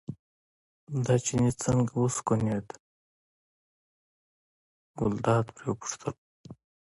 دا چيني څنګه وسونګېد، ګلداد پرې وپوښتل.